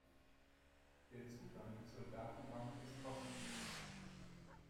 Der Zugang zur Datenbank ist kostenlos.